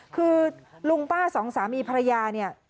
คือลุงป้าสองสามีภรรยาเนี่ย